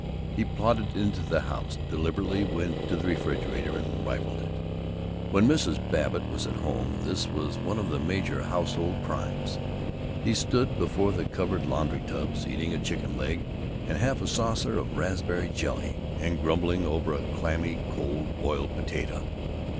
He plodded into the house, deliberately went to the refrigerator and rifled it. When Mrs. Babbitt was at home, this was one of the major household crimes. He stood before the covered laundry tubs, eating a chicken leg and half a saucer of raspberry jelly, and grumbling over a clammy cold boiled potato.